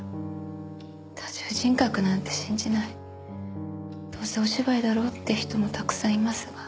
多重人格なんて信じないどうせお芝居だろうって人もたくさんいますが。